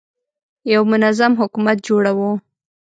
یو منظم حکومت جوړوو.